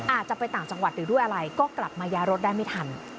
อาจจะไปต่างจังหวัดหรือด้วยอะไรก็กลับมาย้ายรถได้ไม่ทัน